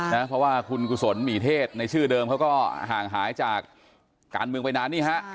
เพราะว่าคุณกุศลหมีเทศในชื่อเดิมเขาก็ห่างหายจากการเมืองไปนานนี่ฮะ